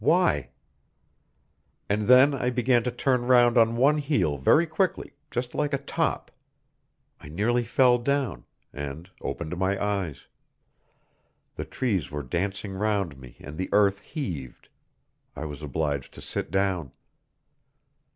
Why? And then I began to turn round on one heel very quickly, just like a top. I nearly fell down, and opened my eyes; the trees were dancing round me and the earth heaved; I was obliged to sit down.